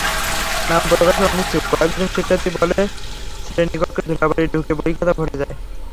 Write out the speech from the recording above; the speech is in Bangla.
নাম প্রকাশে অনিচ্ছুক কয়েকজন শিক্ষার্থী বলে, শ্রেণিকক্ষে ধুলাবালি ঢুকে বই-খাতা ভরে যায়।